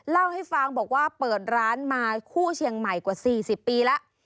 เล่าให้ฟังบอกว่าเปิดร้านมาคู่เชียงใหม่กว่า๔๐ปีแล้ว